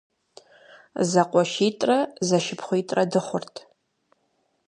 ЗэкъуэшитӀрэ зэшыпхъуитӀрэ дыхъурт.